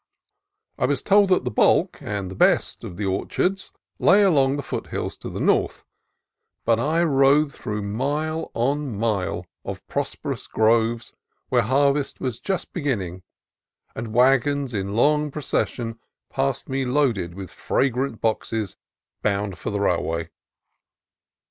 I was told that the bulk, and the best, of the orchards lay along the foothills to the north; but I rode through mile on mile of prosperous groves, where harvest was just beginning; and wagons in long procession passed me loaded with fragrant boxes bound for the railway.